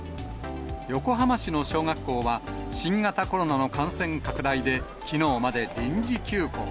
横浜市の小学校は、新型コロナの感染拡大で、きのうまで臨時休校。